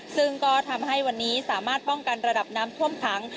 ซึ่งก็ทำให้วันนี้สามารถป้องกันระดับน้ำท่วมขัง